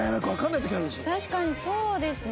確かにそうですね。